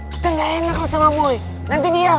kita gak enak loh sama boy nanti dia